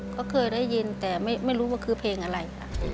ก็เคยได้ยินแต่ไม่รู้ว่าคือเพลงอะไรค่ะ